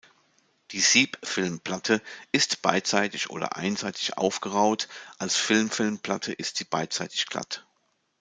Die Sieb-Film-Platte ist beidseitig oder einseitig aufgeraut, als Film-Film-Platte ist sie beidseitig glatt.